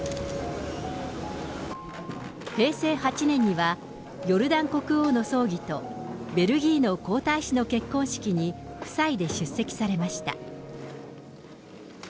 平成８年には、ヨルダン国王の葬儀とベルギーの皇太子の結婚式に夫妻で出席されました。